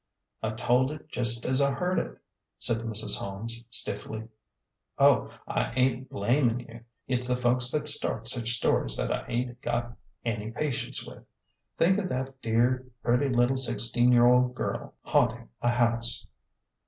" I told it jest as I heard it," said Mrs. Holmes, stiffly. " Oh, I ain't blamin' you ; it's the folks that start such stories that I ain't got any patience with. Think of that dear, pretty little sixteen year old girl hauntin' a house